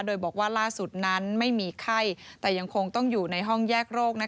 โดยบอกว่าล่าสุดนั้นไม่มีไข้แต่ยังคงต้องอยู่ในห้องแยกโรค